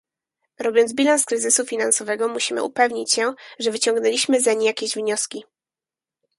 Robiąc bilans kryzysu finansowego, musimy upewnić się, że wyciągnęliśmy zeń jakieś wnioski